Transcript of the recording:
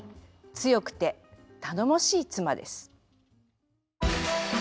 強くて頼もしい妻です。